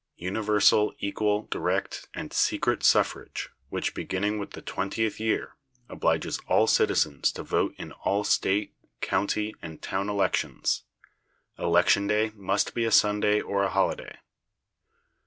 Universal, equal, direct, and secret suffrage, which, beginning with the twentieth year, obliges all citizens to vote in all State, county, and town elections. Election day must be a Sunday or a holiday.